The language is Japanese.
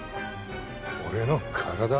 俺の体？